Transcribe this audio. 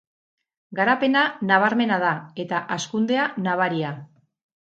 Garapena “nabarmena” da, eta hazkundea nabaria